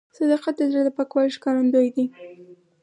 صداقت د زړه د پاکوالي ښکارندوی دی.